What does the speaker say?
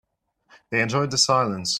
They enjoyed the silence.